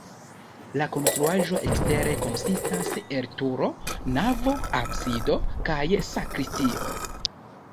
La konstruaĵo ekstere konsistas el turo, navo, absido kaj sakristio.